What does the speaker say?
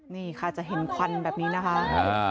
นี่ค่ะจะเห็นควันแบบนี้นะคะ